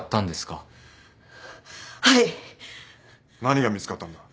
何が見つかったんだ？